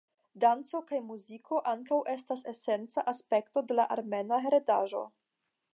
Danco kaj muziko ankaŭ estas esenca aspekto de la Armena Heredaĵo.